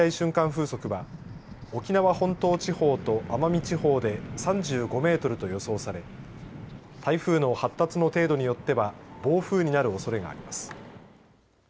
風速は沖縄本島地方と奄美地方で３５メートルと予想され台風の発達の程度によっては暴風になるおそれがあります。